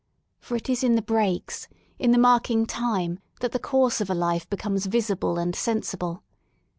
For it is in the breaks, in the marking time, that the course of a life becomes visible and sensible.